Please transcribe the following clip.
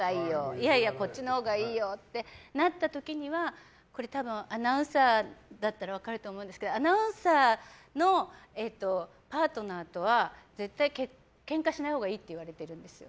いやいやこっちのほうがいいよってなった時には多分、アナウンサーだったら分かると思うんですけどアナウンサーのパートナーとは絶対ケンカしないほうがいいって言われてるんですよ。